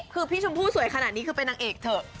คือพี่ชมพู่สวยขนาดนี้คือเป็นนางเอกเถอะ